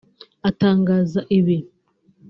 Atangaza ibi